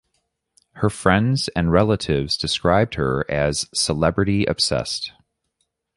Her friends and relatives described her as celebrity-obsessed.